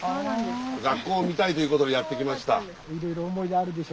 学校を見たいということでやって来ました。